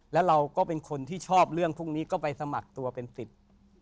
แล้วเราก็เป็นคนที่ชอบเรื่องพวกนี้ก็ไปสมัครตัวเป็นสิทธิ์